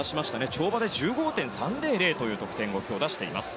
跳馬で１５．３００という得点を今日、出しています。